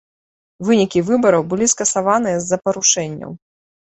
Вынікі выбараў былі скасаваныя з-за парушэнняў.